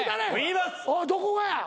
どこがや？